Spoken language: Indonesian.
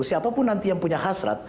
siapapun nanti yang punya hasrat